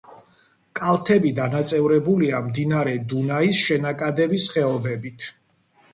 კალთები დანაწევრებულია მდინარე დუნაის შენაკადების ხეობებით.